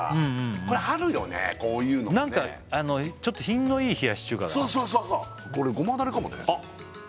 これあるよねこういうのもねちょっと品のいい冷やし中華だそうそうそうそうこれごまダレかもねあっ